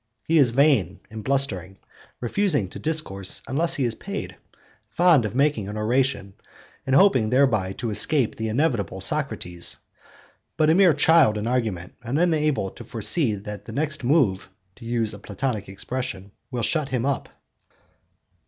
He is vain and blustering, refusing to discourse unless he is paid, fond of making an oration, and hoping thereby to escape the inevitable Socrates; but a mere child in argument, and unable to foresee that the next 'move' (to use a Platonic expression) will 'shut him up.